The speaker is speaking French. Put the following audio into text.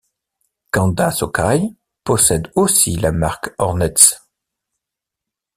Kanda Shokai possède aussi la marque Ornetts.